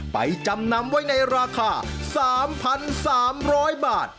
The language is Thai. จำนำไว้ในราคา๓๓๐๐บาท